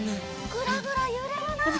ぐらぐらゆれるな！